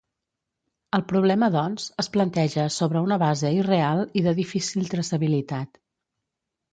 El problema doncs, es planteja sobre una base irreal i de difícil traçabilitat.